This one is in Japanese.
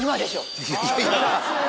いやいやいや。